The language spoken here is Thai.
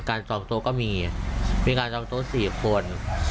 การจองโต๊ะก็มีมีการจองโต๊ะ๔คน